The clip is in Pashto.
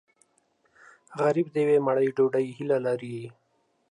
غریب د یوې مړۍ ډوډۍ هیله لري